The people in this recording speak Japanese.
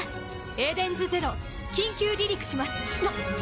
エデンズゼロ緊急離陸します！